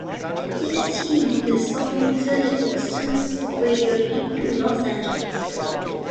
They assumed the song asserted Boston's superiority to Los Angeles.